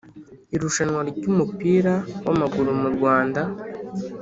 Irushanwa rya umupira wa amaguru mu Rwanda